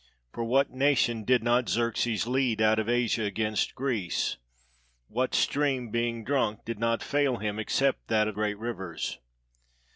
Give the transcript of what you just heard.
For what nation did not Xerxes lead out of Asia against Greece? What stream, being drunk, did not fail him, except that of great rivers?